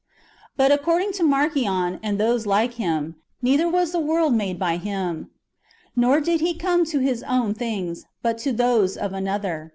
^ But according to Marcion, and those like him, neither was the world made by Him; nor did He come to His own things, but to those of another.